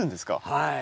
はい。